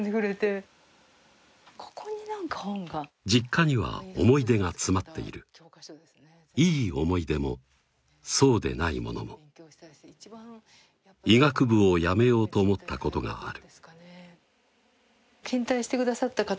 えぇ実家には思い出が詰まっているいい思い出もそうでないものも医学部をやめようと思ったことがある